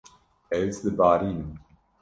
Ez dibarînim.